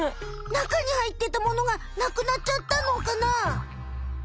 中に入ってたものがなくなっちゃったのかな？